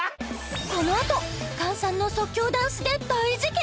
このあとＫＡＮさんの即興ダンスで大事件！？